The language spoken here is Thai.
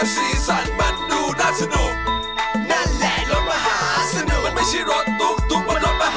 สีสันมันดูน่าสนุกนั่นแหละรถมหาสนุกมันไม่ใช่รถตุ๊กตุ๊กบนรถป่ะ